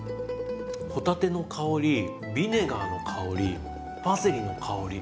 帆立ての香りビネガーの香りパセリの香り